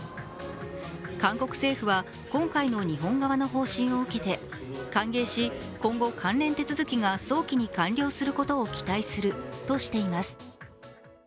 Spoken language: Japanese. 韓国政府は今回の日本側の方針を受けて歓迎し、今後、関連手続きが早期に完了することを期待するとしています。